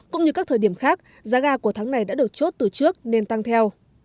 cũng như các thời điểm khác giá ga của tháng này đã được chốt từ trước nên tăng theo